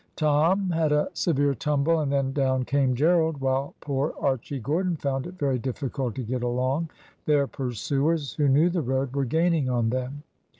Tom had a severe tumble, and then down came Gerald, while poor Archy Gordon found it very difficult to get along. Their pursuers, who knew the road, were gaining on them.